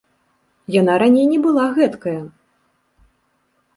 Яна раней не была гэткая!